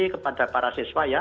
kepada para siswa ya